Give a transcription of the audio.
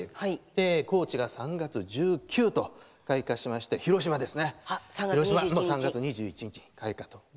高知が３月１９と開花しまして広島は３月２１日開花と。